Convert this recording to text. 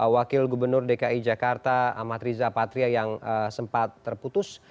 wakil gubernur dki jakarta amat riza patria yang sempat terputus